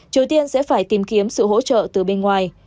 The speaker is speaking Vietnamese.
triều tiên sẽ phải tìm kiếm sự hỗ trợ từ bên ngoài